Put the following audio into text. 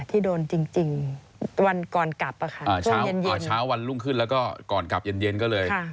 ที่โดนจริงวันก่อนกลับอะค่ะเช้าวันรุ่งขึ้นแล้วก็ก่อนกลับเย็นก็เลย